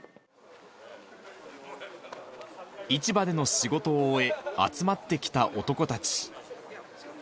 市場での仕事を終え、集まってきた男たち。